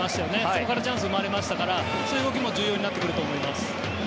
そこからチャンスが生まれましたからそういう動きも重要になってくると思います。